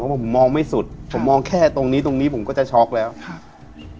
ผมมองไม่สุดผมมองแค่ตรงนี้ตรงนี้ผมก็จะช็อกแล้วครับ